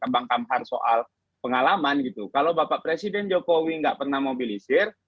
bang kamhar soal pengalaman gitu kalau bapak presiden jokowi nggak pernah mobilisir